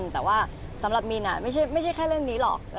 แต่ว่าสำหรับมินไม่ใช่แค่เรื่องนี้หรอก